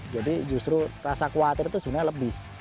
jadi justru rasa khawatir itu sebenarnya lebih